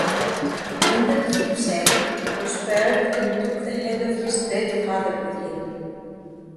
Grendel himself was spared and took the head of his dead father with him.